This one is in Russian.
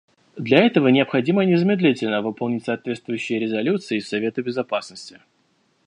Для этого необходимо незамедлительно выполнить соответствующие резолюции Совета Безопасности.